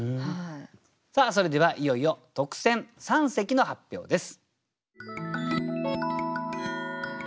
さあそれではいよいよ特選三席の発表です。